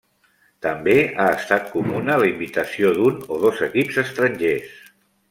També ha estat comuna la invitació d'un o dos equips estrangers.